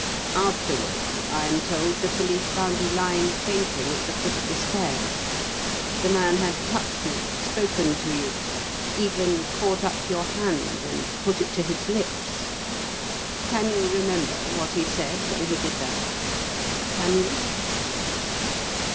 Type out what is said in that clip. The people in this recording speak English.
Afterward, I am told, the police found you lying fainting at the foot of the stairs. The man had touched you, spoken to you, even caught up your hand and put it to his lips? Can you remember what he said when he did that? Can you?"